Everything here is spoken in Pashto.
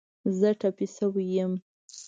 زه ټپې شوی یم